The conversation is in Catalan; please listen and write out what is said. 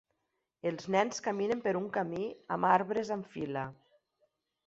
Els nens caminen per un camí amb arbres en fila.